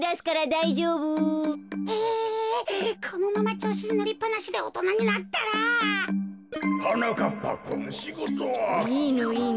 いいのいいの。